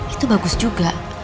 itu bagus juga